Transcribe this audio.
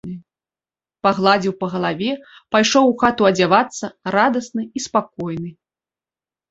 Пагладзіў па галаве, пайшоў у хату адзявацца, радасны і спакойны.